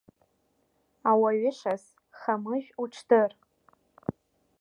Ауаҩы шас, хамыжә, уҽдыр!